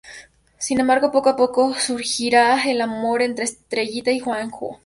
Sin embargo, poco a poco surgirá el amor entre Estrellita y Juanjo.